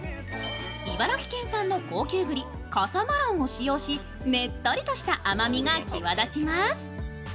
茨城県産の高級ぐり、笠マロンを使用し、ねっとりとした甘みが際立ちます。